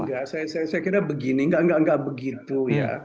enggak saya kira begini nggak begitu ya